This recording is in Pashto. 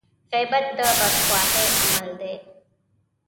غيبت د بدخواهي عمل دی.